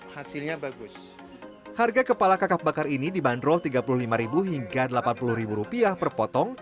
hasilnya bagus harga kepala kakap bakar ini dibanderol tiga puluh lima hingga delapan puluh rupiah per potong